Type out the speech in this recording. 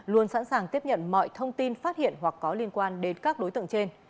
luôn sẵn sàng tiếp nhận mọi thông tin phát hiện hoặc có liên quan đến các đối tượng trên